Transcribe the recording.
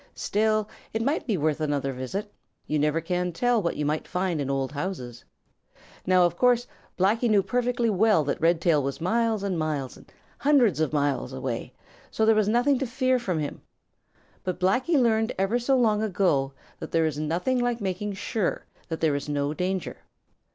Still it might be worth another visit. You never can tell what you may find in old houses. Now, of course, Blacky knew perfectly well that Redtail was miles and miles, hundreds of miles away, and so there was nothing to fear from him. But Blacky learned ever so long ago that there is nothing like making sure that there is no danger.